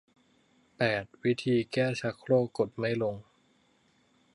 แปด วิธีแก้ชักโครกกดไม่ลง